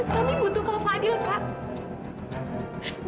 kami butuh kak fadil kak